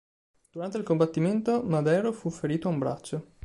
Durante il combattimento, Madero fu ferito a un braccio.